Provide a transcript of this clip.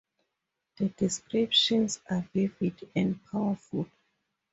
The descriptions are vivid and powerful.